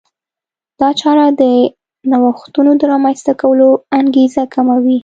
دا چاره د نوښتونو د رامنځته کولو انګېزه کموي.